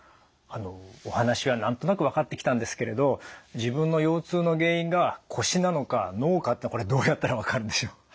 お話は何となく分かってきたんですけれど自分の腰痛の原因が腰なのか脳かってのはこれどうやったら分かるんでしょう？